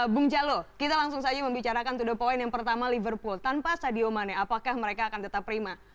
bung jalo kita langsung saja membicarakan to the point yang pertama liverpool tanpa sadio mane apakah mereka akan tetap prima